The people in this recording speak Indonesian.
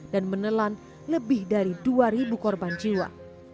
dan menelan lebih dari dua korban jiwa